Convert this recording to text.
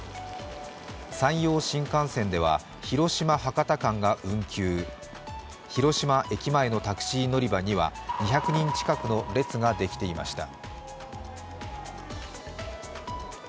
山陽新幹線では広島−博多間が運休広島駅前のタクシー乗り場には、２００人近くの列ができていました。